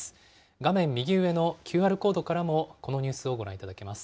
画面右上のＱＲコードからもこのニュースをご覧いただけます。